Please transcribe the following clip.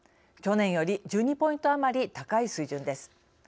去年より１２ポイント余り高い水準です。